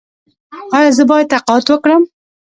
ایا زه باید تقاعد وکړم؟